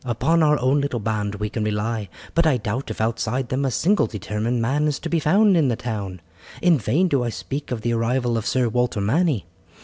Upon our own little band we can rely, but I doubt if outside them a single determined man is to be found in the town. In vain do I speak of the arrival of Sir Walter Manny.